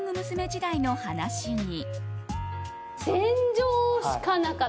時代の話に。